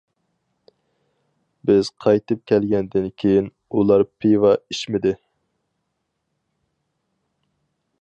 بىز قايتىپ كەلگەندىن كېيىن، ئۇلار پىۋا ئىچمىدى.